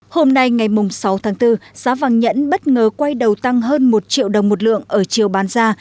hôm nay ngày sáu tháng bốn giá vàng nhẫn bất ngờ quay đầu tăng hơn một triệu đồng một lượng ở chiều bán ra